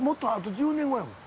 １０年後やもん。